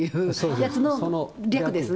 やつの略ですね。